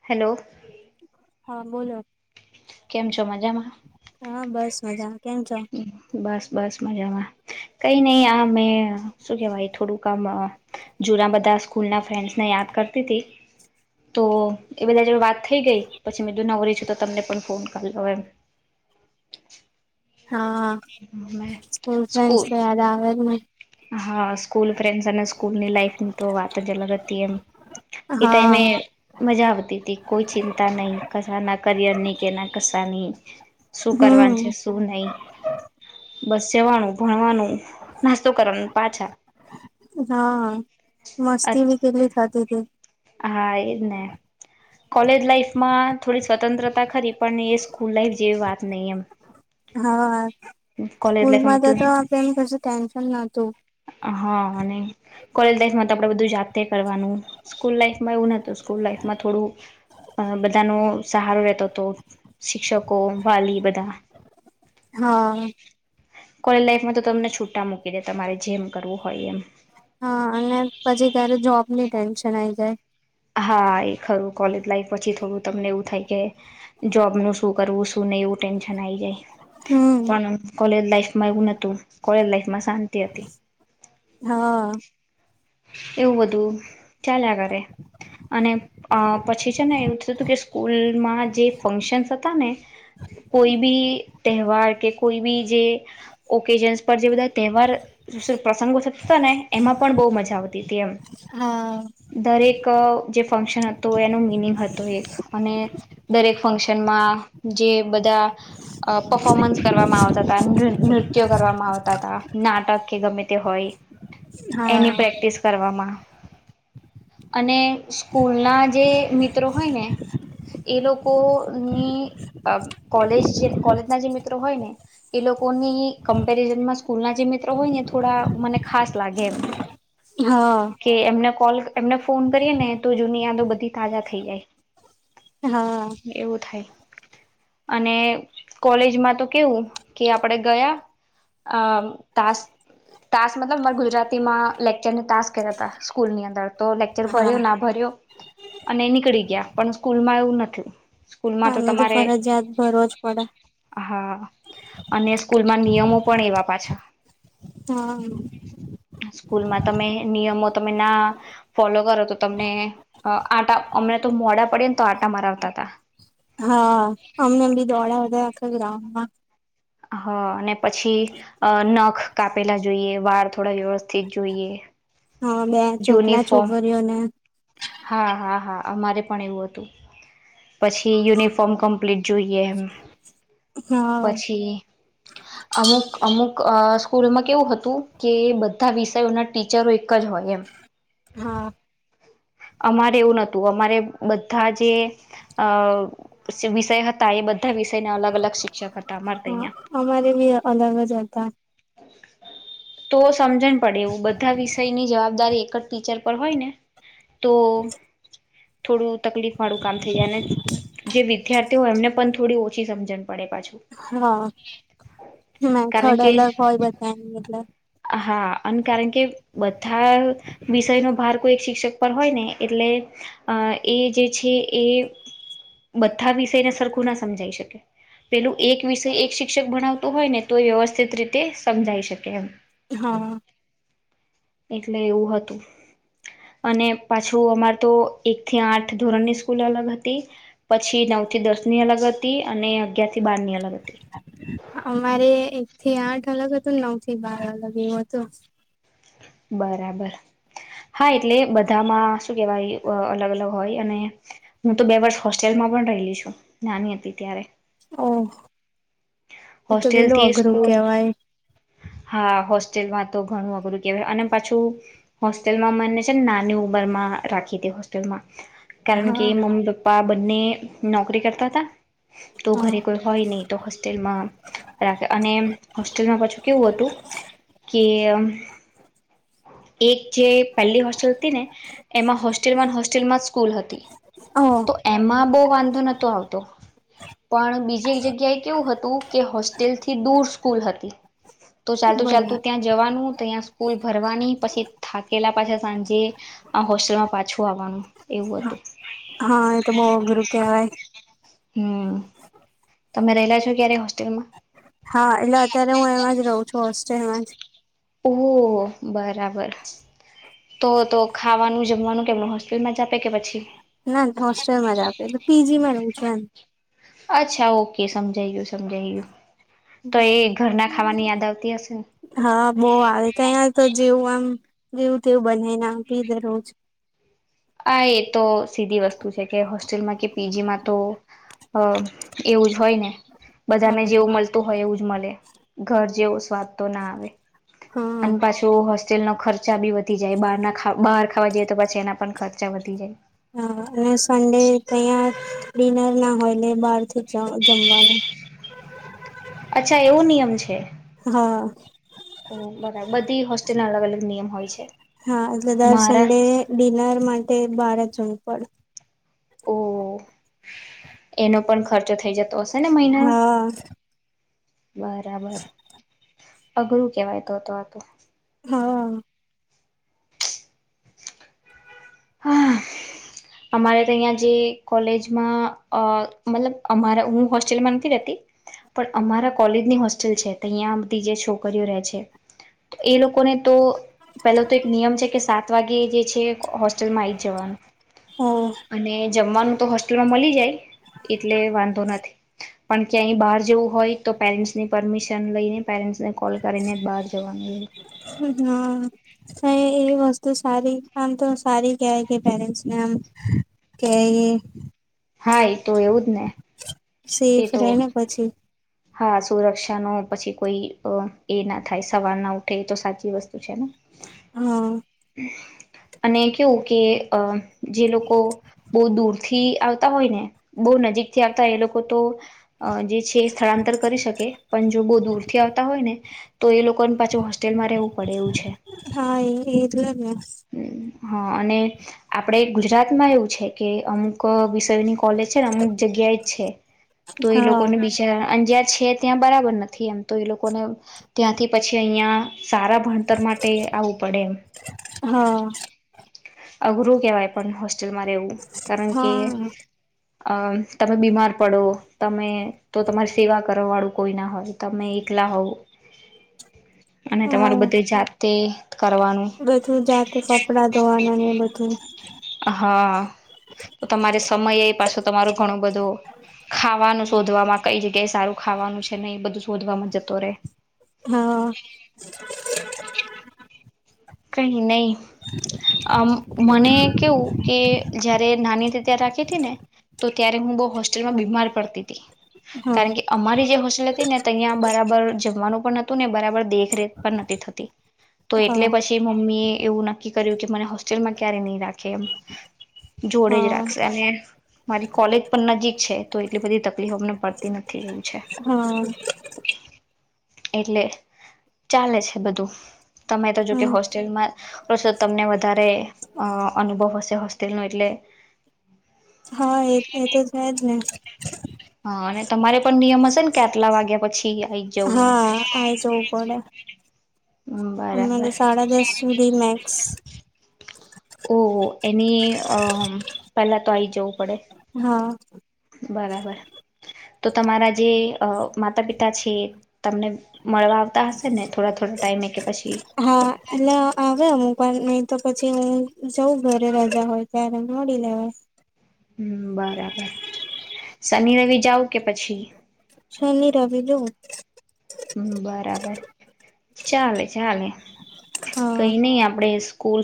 Hello. હા બોલો. કેમ છો મજામાં? હા બસ મજા કેમ છો? બસ બસ મજામાં. કંઈ નહીં આ મેં શું કહેવાય થોડુંક આમ જૂના બધા સ્કૂલના ફ્રેન્ડ્સને યાદ કરતી હતી. [unintelligible] તો એ બધા જોડે વાત થઈ ગઈ. પછી મેતો નવરી છું તો તમને પણ ફોન કર હ એમ હા સ્કૂલ ફ્રેન્ડસ તો યાદ આવે ને હા, સ્કૂલ ફ્રેન્ડસ અને સ્કૂલની લાઈફની તો વાત જ અલગ હતી એમ. એ ટાઈમે હા મજા આવતી તી કોઈ ચિંતા નહી કસના કરિયર ની કે એના કસાની શું કરવાન છે, હમ શું નહી બસ જવાનું ભણવાનું નાસ હા, મસ્તી ભી કેટલી થતીતી. હા, એ જ ને. કોલેજ લાઈફમાં થોડી સ્વતંત્રતા ખરી પણ એ સ્કૂલ લાઈફ જેવી વાત નહી એમ. હા, કોલેજ લાઈફમાં સ્કૂલમાં તો બધું તો આપડે એમ કશું ટેન્શન નહતું. કોયલ દેશમાં તો આપડે બધું જાત તે કરવાનું સ્કૂલ લાઈફ મેં હું નતું સ્કૂલ લાઈફમાં થોડું અ બધાનો સહારો રહેતો તો શિક્ષકો વાલી બધા. હા. કોયલ લાઈફમાં તો તમને છૂટા મૂકી દે તમારે જેમ કરવું હોય એમ. હા, અને પછી ત્યારે જોબની ટેન્શ તનાય જાય. હા, એ ખરું કોલેજ લાઈફ પછી થોડું તમને એવું થાય કે જોબનું શું કરવું, શું નહી, એવું ટેન્શન આયી જાય. હમ પન કોલેજ લઈફમાં એવું નતું. કોલ લાઈફમાં શાંતિ હતી. હા. એવું બધું ચાલ્યા કરે અને અ પછી છે ને એવું થતું કે સ્કૂલમાં જે ફંક્શન્સ હતા ને કોઈ બી તહેવાર કે કોઈ બી જે ઓકેજન્સ પર જે બધા તહેવાર વિશે પ્રસંગો થત તા ને એમાં પણ બહુ મજા આવતી તી એમ, હા દરેક જે ફંક્શન હતું એનું મિનિંગ હતો એક અને દરેક ફંક્શનમાં જે બધા અ પફોમન્સ કરવામાં આવતા તા નૃ નૃત્ય કરવામાં આવતા તા નાટક કે ગમે તે હોય હા. વામા અને સ્કૂલના જે મિત્રો હોય ને એ લોકો ની અ કોલેજે કોલેજના જે મિત્રો હોયને એ લોકોની કમ્પેરિઝનમાં સ્કૂલના જે મિત્રો હોયને થોડા મને ખાસ લાગે એમ. હા. કોલક એમને ફોન કરીએ ને તો જૂની યાદો બધી તાજા થઈ જાય. હા એવું થાય. અને કોલેજમાં તો કેવું કે આપડે ગયા અ તાસ તાસ મતલબ માર ગુજરાતીમાં લાઈક જેને તાસ કહેવાતા સ્કૂલની અંદર તો લેક્ચર ભર્યો હા ના ભર્યો અને નીકળી ગ્યા પણ સ્કૂલમાં એવું નથી. સ્કૂલમાં અમને તો તમારે ફરજીયાત ભરવો જ પડે. હા અને સ્કૂલમાં નિયમો પણ એવા પાછા હા સ્કૂલમાં તમે નિયમો તમે ના ફોલો કરો, તો તમને આટા અમને તો મોડા પડે ને તો આટા મરાવતા હતાા, હા, અમનેમ બી દોડાા આખા ગ્રાઉન્ડમાં હ અને પછી નખ કાપેલા જોઈએ વાળ થોડા વ્યવસ્થિત જોઈએ, હા બે ચોટલા યુનિફોર્મ છોકરીઓને હા હા હા અમારે પણ એવું હતું પછી, યુનિફોર્મ કમ્પ્લીટ જોઈએ એમ હા પછી અમુક અમુક અ સ્કૂલમાં કેવું હતું, કે બધા વિષયોના ટીચરો જ હોય એમ હા અમારે એવું નતું અમારે બધા જે અ વિષય હતા એ બધા વિષયના અલગ અલગ શિક્ષક હતા અમારે હા ત્યાં અમારે ભી અલગ હો જતા તો સમજણ પડે એવું બધા વિષયની જવાબદારી ટીચર પર હોય ને તો થોડું તકલીફ વાળું કામ થઈ જાય, અને જે વિદ્યાર્થીઓ હોય એમને પણ થોડી ઓછી સમજણ પડે પાછું હા, મેં કારણ થોડો કે અલગ હોય બતા એટલ હા, અને કારણ કે બધા વિષયનોો ભાર એક શિક્ષક પર હોય ને એટલે એ જે છે, એ બધા વિષયને સરખું ના સમજાઈ શકે પેલું એક વિષય એક શિક્ષક ભણાવતું હોય, ને તો એ વ્યવસ્થિત રીતે સમજાઈ શકે, એમ હા એટલે એવું હતું અને પાછું અમાર તો એક થી આઠ ધોરણની સ્કૂલ અલગ હતી, પછી નવ થી દર્ની અલગત અને અગાર અમારે એક થી આઠ અલગ નાઉ બાર અ લગ એવું હતું બરાબર હા, એટલે બધામાં શું કેવાય અલગ અલગ હોય, અને હું તો બે વર્ષ હોસ્ટેલમાં પણ રલી છું, નાની હતી ત્યારે ઓહ એ તો પેલું હોસ્ટેલથી અઘરું સ્કૂલ કેવાય હા હોસ્ટેલમાં તો ઘણું અઘરું કેવાય અને પાછું હોસ્ટેલમાં મને છે ને નાની ઉંમર માં રાખી તી હોસ્ટેલમાં કારણ કે હા મમ્મી પપ્પા બ ને નોકરી કરતા તા. તો હા ઘરે કોઈ હોય નહી તો હોસ રા અને હોસ્ટેલમાં પાછું કેવું હતું કે એક જે પેલી હોસ્ટેલ હતી ને એમાં હોસ્ટેલમાં હોસ્ટેલમાં જ સ્કૂલ હતી ઓહ તો એમાં બહુ વાંધો નતો આવતો. પણ બીજી એક જગ્યાએ કેવું હતું કે હોસ તેલ થી દૂર સ્કૂલ હતી તો ચાલતું ચાલતું બરાબર ત્યાં જવાનું તો ત્યાં સ્કૂલ ભરવાની પછી થાકેલા પાછા સાંજે આ હોસ્ટેલમાં પાછું આવવાનું એવું હતું. હા એ તો બો અઘરું કેવાય. હમ તમે રહેલા છો ક્યારે હોસ્ટેલમાં હા એટલે અત્યારે હું એમાં જ રહું છું હોસ્ટ્રેલમાં જ તો બરાબર તો તો ખાવાનું જમવાનું કેમ હોસ્ટેલમાં જ આપે કે પછી ના હોસ્ટેલમાં જ આપે છે પીજીમાં રહુ છું એમ અચ્છા ઓકે સમજાય ગયું સમજાય ગયું તો એ ઘરના ખાવાની યાદ આવતી હશે ને હા બો આવે તયાં તો જે વન જેવું તેવું બનાઈને આપી દરરોજ આ એ તો સીધી વસ્તુ છે કે હોસ્ટેલમાં કે પીજીમાં તો એવું જ હોય ને. બધા ને હા જેવું મળતુ હોય એવું. મલે ઘર જેવો સ્વાદ તો ના આવે હા અને પાછું હોસ સ્ટલનો ખર્ચા બી વધી જાય બારના ખા બાર ખાવા જઈએ તો પાછી એના પણ ખર ચા વધી જાય. હા અને સન્ડે તયા ડિનર ના હોય બાર થી જ જમવાનું અચ્છા એવો નિયમ છે. હા. ઓ બરાબર બધી હોસ્ટેલના અલગ અલગ નિયમ હોય હા એટલે છે દર મારા ઝુંપળ ઓ એનો પણ ખર તો થઈ જતો હશે ને મહિનો હા બરાબર. અઘરું કેવાય તો તો આ તો હા. હા અમારે તો અહીંયા જે કોલેજમાં અ મતલબ અમારા હું હોસ્ટેલમાં નથી રેતી પણ અમારા કોલેજની હોસ્ટેલ છે તહીંયા બધી જે છોકરીઓ રહે છે એ લોકોને તો પેલો તો એક નિયમ છે કે સાત વાગે જે છે આવી જવાનું હા અને જમવાનું તો હોસ્ટેલમાં મળી જાય એટલે વાંધો નથી, પણ ક્યાય બહાર જવું હોય તો પેરેન્ટસની પરમિશન લઈને પેરેન્ટસને કોલ કરીેને બહાર જવાનું, તો સારી આમ તો સારી કય કે પેરેન્ટ્સને આમ કે હા, એ તો એવું જ ને સેફ એતો રે ને પછી હા, સુરક્ષા ન પછી કોઈ એ ના થાય સવાર ના ઉઠે તો સાચી વસ્તુ પૂછેના હા અને કેવું કે અ જે લોકો બહુ દૂર થી આવતા હોય ને બહુ નજીક થી આવતા હોય એ લોકો તો જે છે સ્થળાંતર કરી શકે, પણ જો બહુ દૂરથી આવતા હોય ને તો એ લોકોને પાછું હોસ્ટેલમાં રહેવું પડે એવું છે, હા એ એટલે જ ને હમ્મ હા, અને આપણે ગુજરાતમાં એવું છે કે અમુક વિષયની કોલેજ છે, અમુક જગ્યા એ છે, તો એ હા લોકોને બિા અંજાર છે, ત્યાં બરાબર નથી એમ તો એ લોકોને ત્યાંથી પછી અહિયાં સારા ભણતર માટે આવવું પડે એમ હા અઘરું કેવાય પણ હો લ મારે એવું કારણ કે હા અ તમે બીમાર પડો તમે તો તમારી સેવા કરવા વાળું કોઈ ના હોય તમે એકલા હોવો અને હા તમારું બધું જાત [inaudible] બધું જાતે કપડા ધોવાના [unintelligible] હા તો તમારે સમય એ પાછો તમારું ઘણું બધું ખાવાનું શોધવામાં કઈ જગ્યાએ સારું ખાવાનું છે, ને એ બધું શોધવાવામાં જતો રહેે હમ્મ કઈ નહી અ મને કેવું કે જયારે નાની ત્યા રાખી હતી ને તો ત્યારે હું બહ હોસ્ટેલમાં બીમાર પડતી હતી હા કારણ કે, અમારી જે હોસિલ હતી ને તહીં બરાબર પણતું ને બરાબર દેખરેખ પણ નથી થતી તો એટલે હમ્મ પછી મમ્મી એવું નક્કી કર્યું કે મને હોસ્સ્ટેલમાં ક્યારે નહીં રાખ કેમ જોડે જ હા રાખશે અને મારી કોલેજ પણ નજીક છે, તો એટલી બધી તકલીફ અમને પડતી નથી એવુ છે. હા એટલે ચાલે છે બધું તમે તો જો કે હા હોસ્ટેલમાં રોછો તમને વધારે અ અનુભવ હશે હોસ્ટલનું એટલે હા એ એ તો છે જ ને હા અને તમારે પણ નિયમ હશે ને કે આટલા વાગ્યા પછી આવીઈ જવું હા આઈ જવું પડે એમ અમારે બરાબર સાડા દસ સુધી મેક્સ ઓ એની અમ પેલા તો આઈ જવું પડે હા બરાબર તો તમારા જે માતા પિતા છે તમને મળવા આવતા હશે ને થોડા થોડા ટાઈમે કે પછી હા એટલે આવે અમુક પણ નહી તો પછી હું જઉં ઘરે રજા હોય ત્યારે મળી લેવાય હમ બરાબર શનિ રવી જાવ કે પછી શન રવિ જવું હ બરાબર ચાલે ચાલે હા કઈ નઈ આપડે સ્કૂલ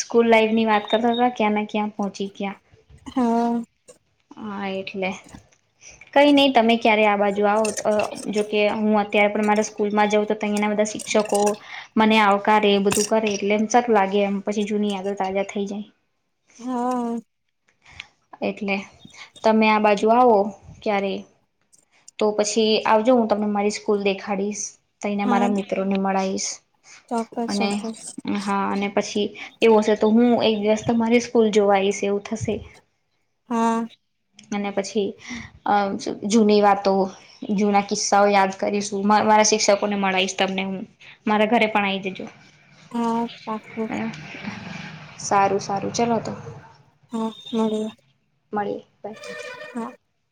સ્કૂલ લાઈફ ની વાત કરતા હતા ક્યાં ને ક્યાં પહોંચી ગયા હા હા એટલે કઈ નઈ તમે ક્યારે આ બાજુ આવો જોકે હું અત્યારે પણ મારા સ્કૂલમાં જાઉં તો અહીંયાના બધા શિક્ષકો મને આવકારે એ બધું કરે એટલે એમ સરું લાગે એમ પછી જૂની યાદો તાજા થઈ જાય હા એટલે તમે આ બાજુ આવો ક્યારે તો પછી આવજો હું તમને મારી સ્કૂલ દેખાડીશ તને હા મારા મિત્રો ને મળાઈશ ચોક્કસ અને ચોક્કસ હા અને પછી એવું હશે તો હું એક દિવસ તમારી સ્કૂલ જોવા આવીઈશ થશે હા અને પછી જૂની વાતો જૂના કિસ્સાઓ યાદ કરીશું મારા શિક્ષકોને મળાઈશ તમને હું મારા ઘરે પણ આવીઈ જજો પાકું સારું સારું ચલો તો મડીએં [unintelligible]